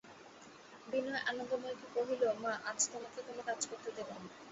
বিনয় আনন্দময়ীকে কহিল, মা, আজ তোমাকে কোনো কাজ করতে দেব না।